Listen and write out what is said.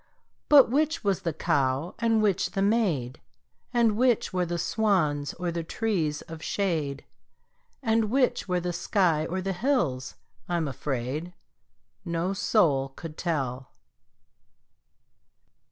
But which was the cow and which the maid, And which were the swans or the trees of shade, And which were the sky or the hills, I'm afraid, No soul could tell.